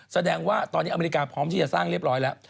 แสดงว่าตอนนี้อเมริกาพร้อมที่จะสร้างเรียบร้อยแล้ว